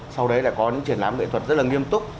sau đấy là có những triển lãm nghệ thuật rất là nghiêm túc